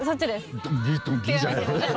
ドッギドッギじゃない。